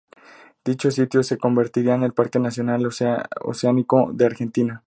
Dicho sitio se convertiría el parque nacional oceánico de Argentina.